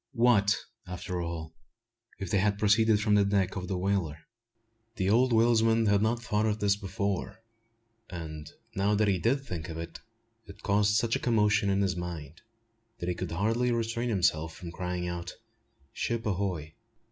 What, after all, if they had proceeded from the decks of the whaler? The old whalesman had not thought of this before; and, now that he did think of it, it caused such a commotion in his mind, that he could hardly restrain himself from crying out "Ship ahoy!"